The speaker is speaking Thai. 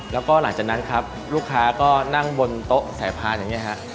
แล้วก็หลังจากนั้นครับลูกค้าก็นั่งบนโต๊ะสายพานอย่างนี้ฮะ